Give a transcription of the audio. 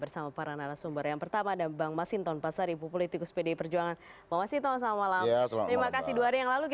selamat malam mbak putri